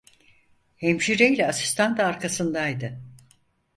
Hemşireyle asistan da arkasındaydı.